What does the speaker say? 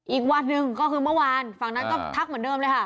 อีกวันหนึ่งก็คือเมื่อวานฝั่งนั้นก็ทักเหมือนเดิมเลยค่ะ